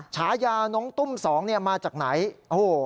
ฉายาน้องตุ้มสองเนี่ยมาจากไหนโอ้โห